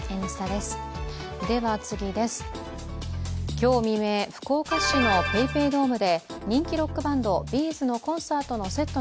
今日未明、福岡市のＰａｙＰａｙドームで人気ロックバンド、Ｂ’ｚのコンサートのセット